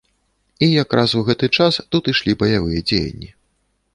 І якраз у гэты час тут ішлі баявыя дзеянні.